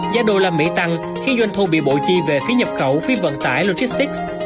giá đô la mỹ tăng khiến doanh thu bị bộ chi về phí nhập khẩu phí vận tải logistics